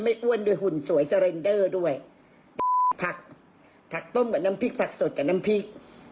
ไม่อ้วนด้วยหุ่นสวยด้วยผักผักต้มกับน้ำพริกผักสดกับน้ำพริก